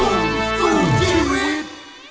หยุดหยุดหยุดหยุดหยุดหยุด